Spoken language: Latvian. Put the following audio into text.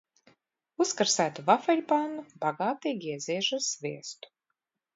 Uzkarsētu vafeļpannu bagātīgi ieziež ar sviestu.